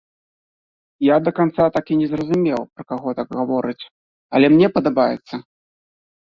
Я да канца так і не зразумеў, пра каго так гавораць, але мне падабаецца.